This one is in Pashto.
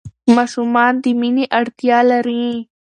ماشومان د مینې اړتیا لري.